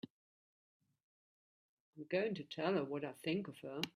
I'm going to tell her what I think of her!